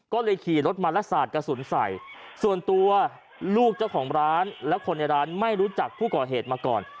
ก็เลยขี่รถมาและสาดกระสุนใส่ส่วนตัวลูกเจ้าของร้านและคนในร้านไม่รู้จักผู้ก่อเหตุมาก่อน